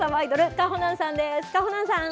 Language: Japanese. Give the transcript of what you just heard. かほなんさん。